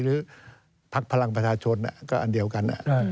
หรือพักพลังประชาชนก็อันเดียวกัน